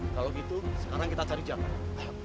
kalau gitu sekarang kita cari jalan